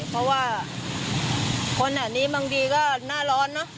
เพราะว่าคนอันนี้บางทีก็หน้าร้อนเนอะ